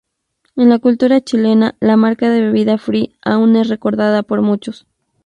En la cultura chilena, la marca de bebida "Free" aún es recordada por muchos.